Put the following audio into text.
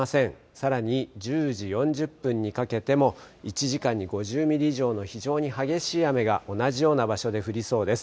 さらに１０時４０分にかけても、１時間に５０ミリ以上の非常に激しい雨が同じような場所で降りそうです。